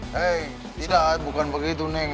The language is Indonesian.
hei tidak bukan begitu